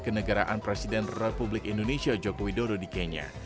kenegaraan presiden republik indonesia joko widodo di kenya